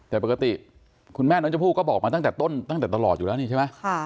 แต่ปกติคุณแม่น้องชมพู่ก็บอกมาตั้งแต่ต้นตั้งแต่ตลอดอยู่แล้วนี่ใช่ไหม